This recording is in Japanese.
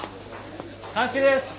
鑑識です。